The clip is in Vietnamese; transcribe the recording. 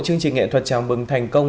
chương trình nghệ thuật chào mừng thành công